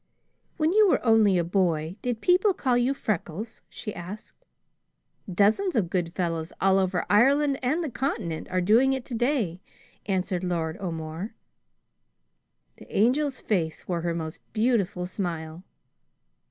"When you were only a boy, did people call you Freckles?" she asked. "Dozens of good fellows all over Ireland and the Continent are doing it today," answered Lord O'More. The Angel's face wore her most beautiful smile.